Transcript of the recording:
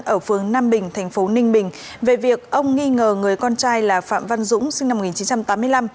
ở phương nam bình thành phố ninh bình về việc ông nghi ngờ người con trai là phạm văn dũng sinh năm một nghìn chín trăm tám mươi năm